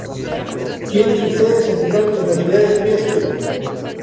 Tiene su sede central en la ciudad de Trieste.